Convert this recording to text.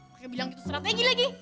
pakai bilang itu strategi lagi